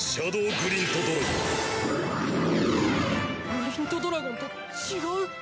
グリントドラゴンと違う？